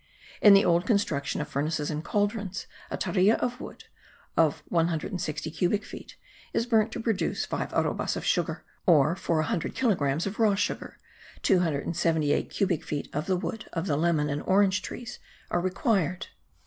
In the old construction of furnaces and cauldrons, a tarea of wood, of one hundred and sixty cubic feet, is burnt to produce five arrobas of sugar, or, for a hundred kilogrammes of raw sugar, 278 cubic feet of the wood of the lemon and orange trees are required.